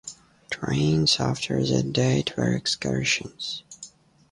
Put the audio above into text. Trains after that date were excursions.